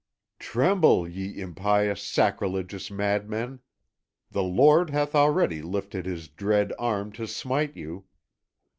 "Tremble, ye impious, sacrilegious madmen! The Lord hath already lifted his dread arm to smite you!"